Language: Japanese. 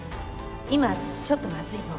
今ちょっとまずいの。